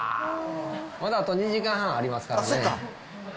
まだあと２時間半ありますからね。